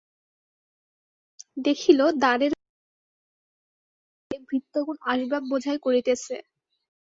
দেখিল, দ্বারের কাছে অনেকগুলা গোরুর গাড়িতে ভৃত্যগণ আসবাব বোঝাই করিতেছে।